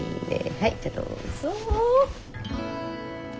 はいじゃあどうぞ。